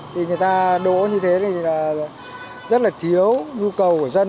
thì người ta đỗ như thế thì là rất là thiếu nhu cầu của dân